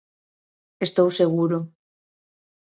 Estou seguro.